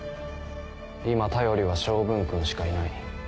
今頼りは昌文君しかいない。